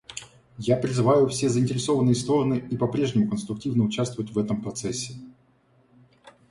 Я призываю все заинтересованные стороны и по-прежнему конструктивно участвовать в этом процессе.